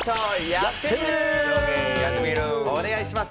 「やってみる。」、お願いします。